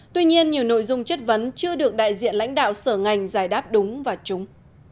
tuy nhiên nhiều nội dung chất vấn chưa được đại diện lãnh đạo sở ngành giải đáp đúng và trúng